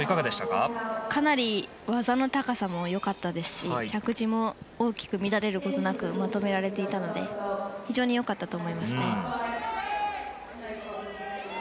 かなり技の高さも良かったですし着地も大きく乱れることなくまとめられていたので非常に良かったと思いますね。